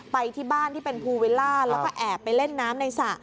ไปที่บ้านที่เป็นภูวิลล่าแล้วก็แอบไปเล่นน้ำในสระ